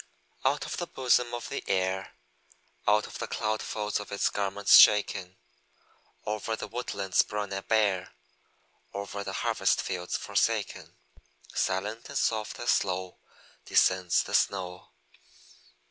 Out of the bosom of the air, Out of the cloud folds of its garments shaken, Over the woodlands brown and bare, Over the harvest fields forsaken, Silent, and soft, and slow, Descends the snow.